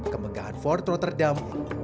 kemenggahan fort rotterdam